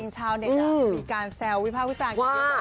ชาวเด็กมีการแซววิภาพวิจารณ์ว่า